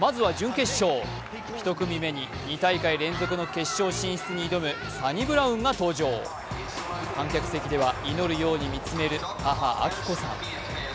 まずは準決勝、１組目に２大会連続決勝進出に挑むサニブラウンが登場、観客席では祈るように見つめる、母・明子さん。